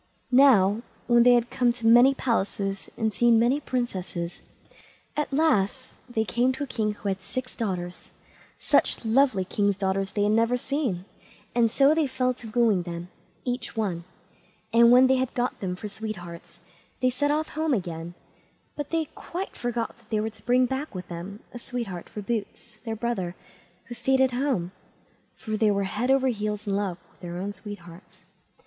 Now, when they had been to many palaces, and seen many princesses, at last they came to a king who had six daughters; such lovely king's daughters they had never seen, and so they fell to wooing them, each one, and when they had got them for sweethearts, they set off home again, but they quite forgot that they were to bring back with them a sweetheart for Boots, their brother, who stayed at home, for they were over head and ears in love with their own sweethearts.